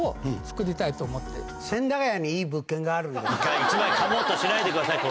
一枚かもうとしないでください。